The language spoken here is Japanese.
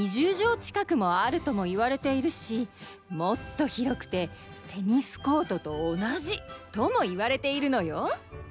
じょうちかくもあるともいわれているしもっとひろくてテニスコートとおなじともいわれているのよ。